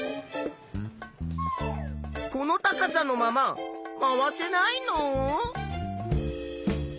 この高さのまま回せないの？